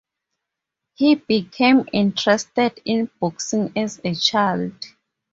He became interested in boxing as a child.